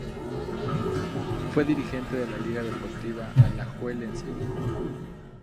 Fue dirigente de la Liga Deportiva Alajuelense.